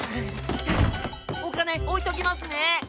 おかねおいときますね。